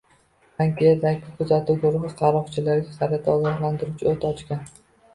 Tankerdagi kuzatuv guruhi qaroqchilarga qarata ogohlantiruvchi o‘t ochgan